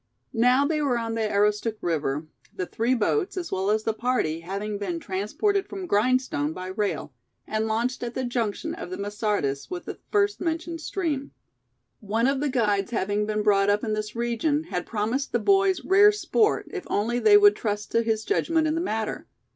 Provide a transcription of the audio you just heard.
Now they were on the Aroostook River, the three boats, as well as the party, having been transported from Grindstone by rail, and launched at the junction of the Masardis with the first mentioned stream. One of the guides having been brought up in this region, had promised the boys rare sport, if only they would trust to his judgment in the matter.